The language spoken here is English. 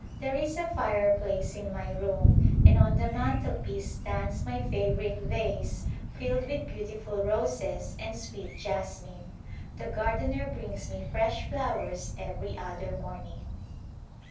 There is a fireplace in mv room and on the mantelpiece stands my favorite vase filled Arrival in India with beautiful roses and sweet jasmine. The gardener brings me fresh flowers every other morning.